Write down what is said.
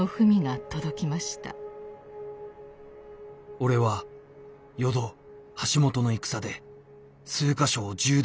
「俺は淀橋本の戦で数か所を銃弾で負傷した。